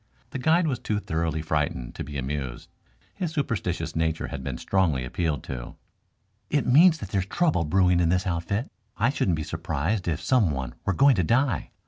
The guide was too thoroughly frightened to be amused. His superstitious nature had been strongly appealed to. "It means that there's trouble brewing in this outfit. I shouldn't be surprised if some one were going to die.